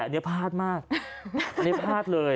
อันนี้พลาดมากอันนี้พลาดเลย